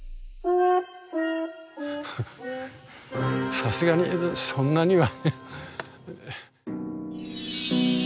さすがにそんなには。